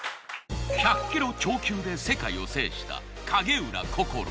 １００ｋｇ超級で世界を制した影浦心。